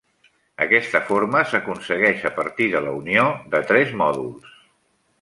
Aquesta forma s'aconsegueix a partir de la unió de tres mòduls.